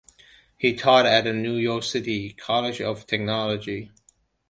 He taught at the New York City College of Technology.